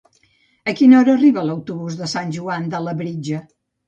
A quina hora arriba l'autobús de Sant Joan de Labritja?